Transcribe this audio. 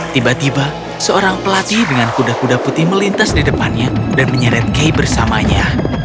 tiba tiba seorang pelatih dengan kuda kuda putih melintas di depannya dan menyeret kay bersamanya